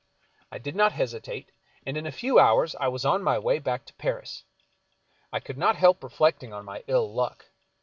I did not hesitate, and in a few hours I was on my way back to Paris. I could not help reflectir.j^ on my ill luck.